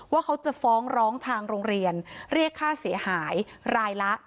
ว่าเขาจะฟ้องร้องทางโรงเรียนเรียกค่าเสียหายรายละ